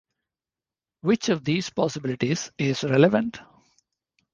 Which of these possibilities is relevant?